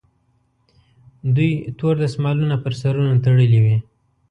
دوی تور دستمالونه پر سرونو تړلي وي.